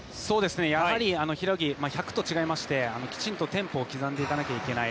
やはり１００と違いましてきちんとテンポを刻んでいかないといけない。